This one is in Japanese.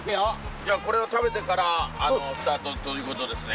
じゃこれを食べてからスタートということですね？